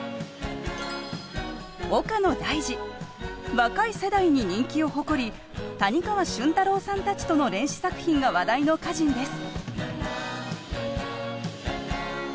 若い世代に人気を誇り谷川俊太郎さんたちとの連詩作品が話題の歌人です。